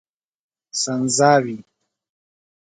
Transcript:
سنځاوي